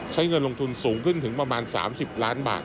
เงินลงทุนสูงขึ้นถึงประมาณ๓๐ล้านบาท